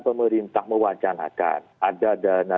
pemerintah mewajanakan ada dana